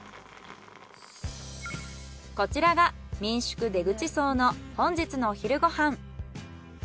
こちらが民宿でぐち荘の本日のお昼ご飯。